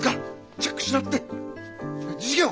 チェックしなくて授業。